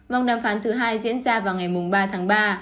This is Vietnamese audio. vòng đàm phán thứ hai diễn ra vào ngày ba tháng ba